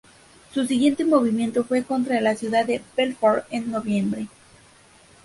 Su siguiente movimiento fue contra la ciudad de Belfort en noviembre.